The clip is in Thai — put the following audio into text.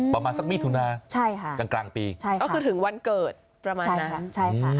อ๋อประมาณสักมิถุนากลางปีใช่ค่ะคือถึงวันเกิดประมาณนั้นใช่ค่ะ